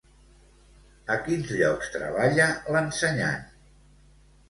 A quins llocs treballa l'ensenyant?